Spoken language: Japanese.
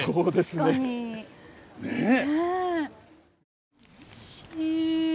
ねえ。